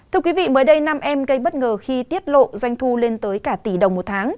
thưa quý vị mới đây nam em gây bất ngờ khi tiết lộ doanh thu lên tới cả tỷ đồng một tháng